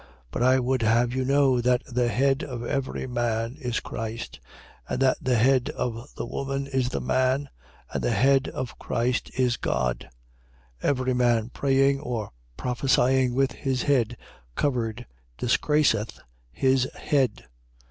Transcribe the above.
11:3. But I would have you know that the head of every man is Christ: and the head of the woman is the man: and the head of Christ is God. 11:4. Every man praying or prophesying with his head covered disgraceth his head.